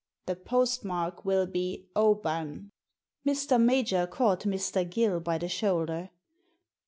The postmark will be Oban." Mr. Major caught Mr. Gill by the shoulder.